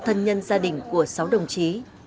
và thân nhân gia đình của sáu đồng chí